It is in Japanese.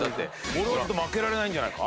これはちょっと負けられないんじゃないか？